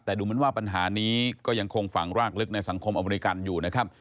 แต่ดูเหมือนว่าปัญหานี้ก็ยังคงฝังรากลึกในสังคมอเมริกันอยู่นะครับ